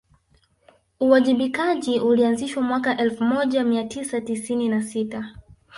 uwajibikaji ulianzishwa mwaka elfu moja mia tisa tisini na sita